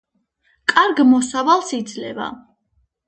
კარგ მოსავალს იძლევა.